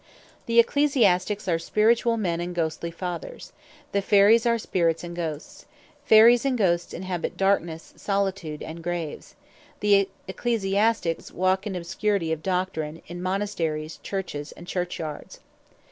The Ecclesiastiques are Spirituall men, and Ghostly Fathers. The Fairies are Spirits, and Ghosts. Fairies and Ghosts inhabite Darknesse, Solitudes, and Graves. The Ecclesiastiques walke in Obscurity of Doctrine, in Monasteries, Churches, and Churchyards.